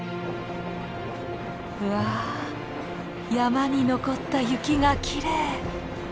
うわ山に残った雪がきれい。